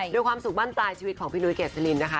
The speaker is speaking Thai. ด้วยความสุขบ้านปลายชีวิตของพี่นุ้ยเกษลินนะคะ